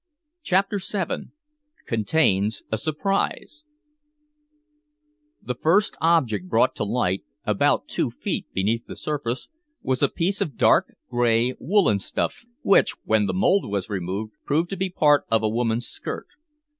CHAPTER VII CONTAINS A SURPRISE The first object brought to light, about two feet beneath the surface, was a piece of dark gray woolen stuff which, when the mold was removed, proved to be part of a woman's skirt.